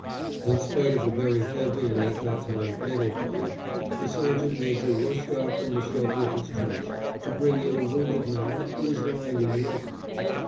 In spite of a very heavy and at that time fatal fire, the sergeant major rushed out from the shelter of his trench to bring in a wounded man who was lying in the open.